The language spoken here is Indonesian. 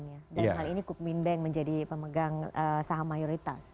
dan kali ini kukmin bank menjadi pemegang saham mayoritas